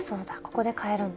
ここでかえるんだ。